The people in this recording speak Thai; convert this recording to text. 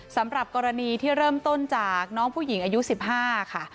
สำหรับกรณีที่เริ่มต้นจากน้องผู้หญิงอายุ๑๕ค่ะ